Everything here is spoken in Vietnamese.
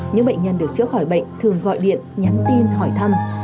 những bệnh nhân được chữa khỏi bệnh thường gọi điện nhắn tin hỏi thăm